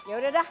ya udah dah